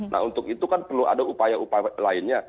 nah untuk itu kan perlu ada upaya upaya lainnya